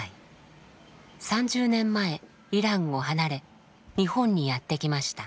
３０年前イランを離れ日本にやって来ました。